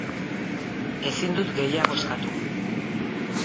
Ezin dut gehiago eskatu.